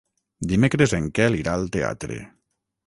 Dimecres en Quel irà al teatre.